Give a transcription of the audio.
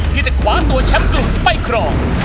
ที่จะคว้าตัวแชมป์กลุ่มไปครอง